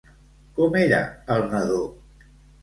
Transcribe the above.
Com era el nadó?